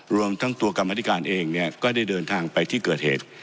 รวมทั้งตัวกรรมธิการเองเนี่ยก็ได้เดินทางไปที่เกิดเหตุ